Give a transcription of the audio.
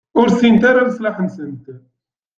Ur ssinent ara leṣlaḥ-nsent.